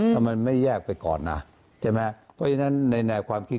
แล้วมันไม่แยกไปก่อนนะเจอไหม